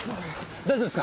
大丈夫ですか？